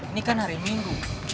ini kan hari minggu